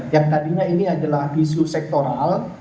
yang tadinya ini adalah isu sektoral